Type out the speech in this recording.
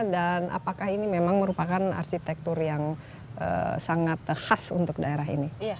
dan apakah ini memang merupakan arsitektur yang sangat khas untuk daerah ini